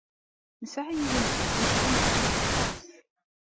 Nesɛa yiwen n wugur d ameqran aṭas.